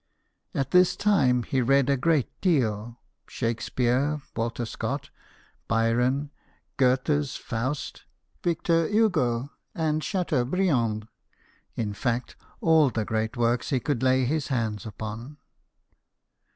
At this time, he read a great deal Shakespeare, Walter Scott, Byron, Goethe's " Faust," Victor Hugo and Chateaubriand ; in fact, all the great works he could lay his hands upon.